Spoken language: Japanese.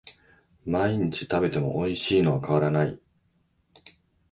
毎日食べてもおいしいのは変わらない